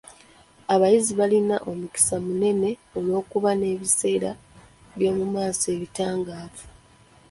Abayizi balina omukisa munene ogw'okuba n'ebiseera by'omu maaso ebitangaavu.